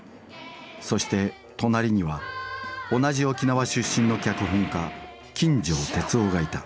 そして隣には同じ沖縄出身の脚本家金城哲夫がいた。